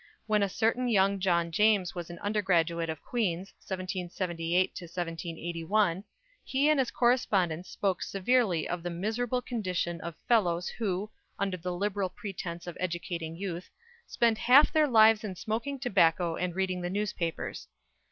When a certain young John James was an undergraduate of Queen's, 1778 to 1781, he and his correspondents spoke severely of the "miserable condition of Fellows who (under the liberal pretence of educating youth) spend half their lives in smoking tobacco and reading the newspapers."